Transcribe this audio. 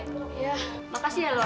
ya makasih ya lora